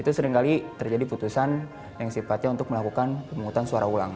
itu seringkali terjadi putusan yang sifatnya untuk melakukan pemungutan suara ulang